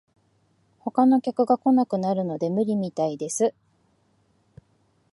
他の客が来なくなるので無理みたいです